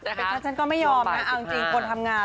นะคะฉันก็ไม่ยอมนะเอาจริงคนทำงาน